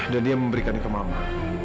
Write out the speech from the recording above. dan dia memberikannya ke mama